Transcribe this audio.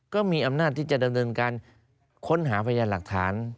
ก็มีอำนาจที่จะดำเนินการค้นหาพยานหลักฐาน